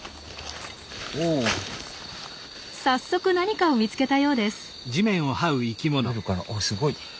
早速何かを見つけたようです。